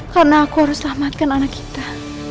karena aku harus selamatkan anak kita